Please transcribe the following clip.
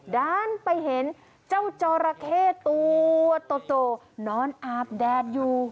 ด้านไปเห็นเจ้าจอราเข้ตัวโตนอนอาบแดดอยู่